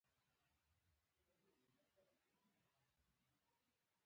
چې له کروندو څخه تېر شو، څنګه چې لار په کښتونو ور برابره شوه.